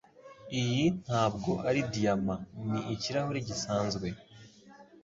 Iyi ntabwo ari diyama. Ni ikirahure gisanzwe